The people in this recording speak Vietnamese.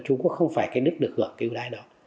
trung quốc không phải nước được hưởng cứu đái đó